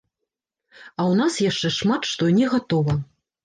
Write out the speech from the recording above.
А ў нас яшчэ шмат што не гатова.